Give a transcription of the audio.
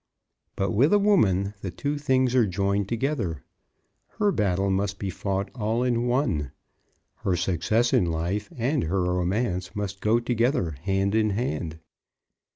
But with a woman the two things are joined together. Her battle must be fought all in one. Her success in life and her romance must go together, hand in hand.